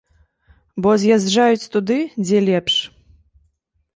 Бо з'язджаюць туды, дзе лепш.